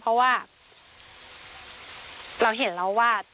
เพราะว่าเราเห็นแล้วว่า